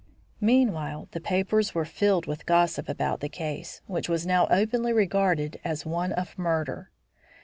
Meanwhile, the papers were filled with gossip about the case, which was now openly regarded as one of murder.